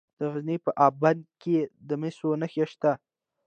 د غزني په اب بند کې د مسو نښې شته.